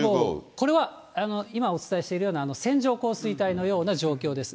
これは、今お伝えしているような線状降水帯のような状況です。